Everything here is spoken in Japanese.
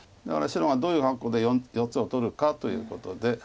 だから白がどういう格好で４つを取るかということで。